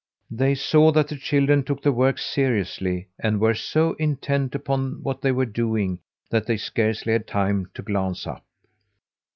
They saw that the children took the work seriously and were so intent upon what they were doing that they scarcely had time to glance up.